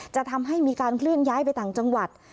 จะทำให้มีการเคลื่อนย้ายไปต่างจังหวัด